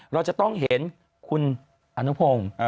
เราจะต้องเห็นคุณอนุพงศ์